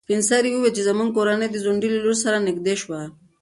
سپین سرې وویل چې زموږ کورنۍ د ځونډي له لور سره نږدې شوه.